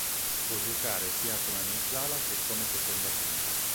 Può giocare sia come mezzala che come seconda punta.